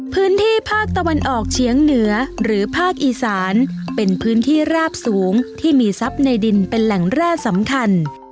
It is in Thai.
พื้นที่ภาคตะวันออกเฉียงเหนือหรือภาคอีสานเป็นพื้นที่ราบสูงที่มีทรัพย์ในดินเป็นแหล่งแร่สำคัญ